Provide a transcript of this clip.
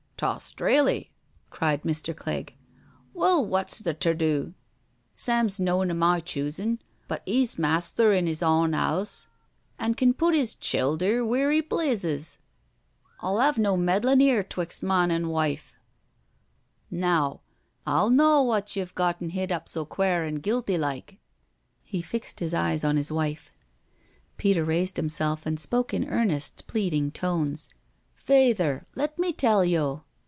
••T' Australy I" cried Mr. Clegg. "Well, wot's the terdo? Sam's noan o' my choosin', but 'e's masther in 'is awn house, an* can put 'is childher wheer 'e plezzes. I'll 'ave no meddlin' 'ere 'twixt mon an' wife. Now I'll knaw wot you've gotten hid up so quair an' guilty like." He fixed his eye on his wife. Peter raised himself and spoke in earnest, pleading tones :" Fayther, let me tell yo'.